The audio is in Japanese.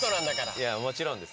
いやもちろんです。